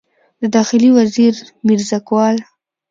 د داخلي وزیر میرزکوال